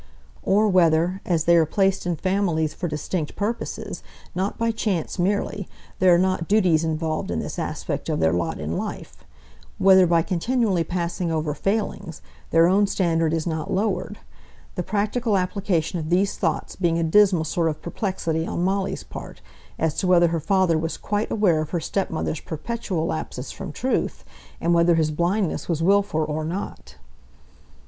Or whether, as they are placed in families for distinct purposes, not by chance merely, there are not duties involved in this aspect of their lot in life, whether by continually passing over failings, their own standard is not lowered, the practical application of these thoughts being a dismal sort of perplexity on Molly's part as to whether her father was quite aware of her stepmother's perpetual lapses from truth; and whether his blindness was wilful or not.